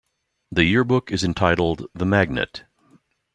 The yearbook is entitled The Magnet.